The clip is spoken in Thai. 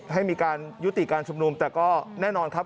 ให้มีการยุติการชุมนุมแต่ก็แน่นอนครับ